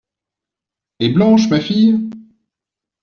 Et Blanche… ma fille ?…